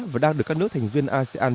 và đang được các nước thành viên asean